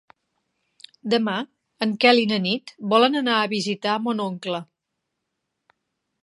Demà en Quel i na Nit volen anar a visitar mon oncle.